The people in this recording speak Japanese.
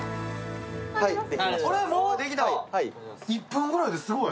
１分ぐらいですごい。